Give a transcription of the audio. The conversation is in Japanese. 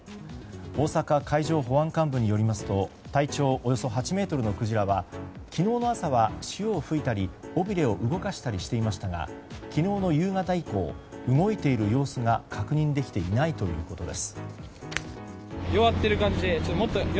大阪海上保安監部によりますと体長およそ８ｍのクジラは昨日の朝は潮を吹いたり、尾びれを動かしたりしていましたが昨日の夕方以降動いている様子が確認できていないということです。